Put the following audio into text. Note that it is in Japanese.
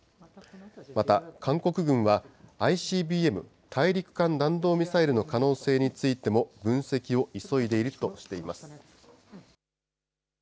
また、韓国軍はＩＣＢＭ・大陸間弾道ミサイルの可能性についても分析を急いでいるとしています。